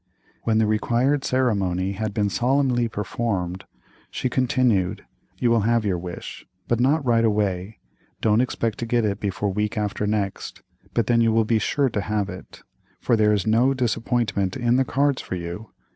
When the required ceremony had been solemnly performed, she continued: "You will have your wish, but not right away; don't expect to get it before week after next, but then you will be sure to have it, for there is no disappointment in the cards for you."